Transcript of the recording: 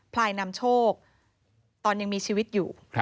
พลายนำโชคตอนยังมีชีวิตอยู่